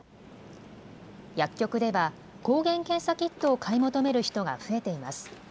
薬局では、抗原検査キットを買い求める人が増えています。